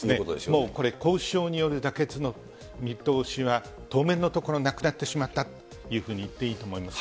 もうこれ、交渉による妥結の見通しは、当面のところなくなってしまったというふうに言っていいと思います。